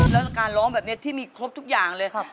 แล้วการร้องแบบนี้ที่มีครบทุกอย่างเลยครับ